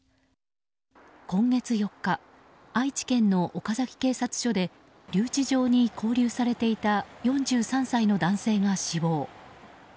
今月４日、愛知県の岡崎警察署で留置場に勾留されていた４３歳の男性が死亡。